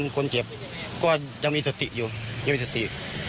ตอนนั้นคนเจ็บก็ยังมีสติอยู่ยังมีสติ